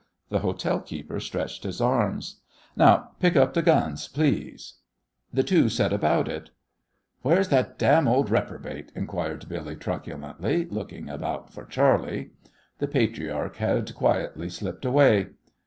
The hotel keeper stretched his arms. "Now, pick up th' guns, please." The two set about it. "Where's that damn ol' reprobate?" inquired Billy, truculently, looking about for Charley. The patriarch had quietly slipped away.